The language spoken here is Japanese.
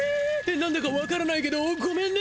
なんだかわからないけどごめんね。